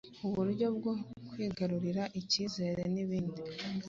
uburyo bwo kwigarurira icyizere n’ibindi